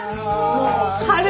もう春！